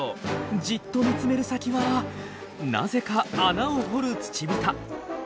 じっと見つめる先はなぜか穴を掘るツチブタ。